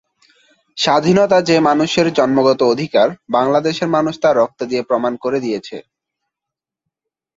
স্বাধীনতা যে মানুষের জন্মগত অধিকার, বাংলাদেশের মানুষ তা রক্ত দিয়ে প্রমাণ করে দিয়েছে।